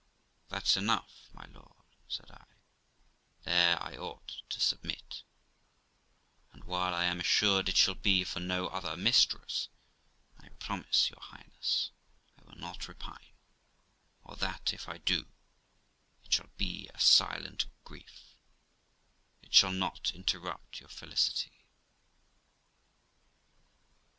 'That's enough, my lord', said I; 'there I ought to submit; and while I am assured it shall be for no other mistress, I promise your Highness I will not repine; or that, if I do, it shall be a silent grief; it shall not interrupt your felicity.'